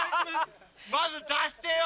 まず出してよ！